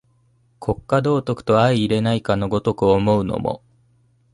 国家道徳と相容れないかの如く思うのも、